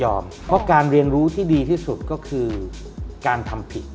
เพราะการเรียนรู้ที่ดีที่สุดก็คือการทำผิด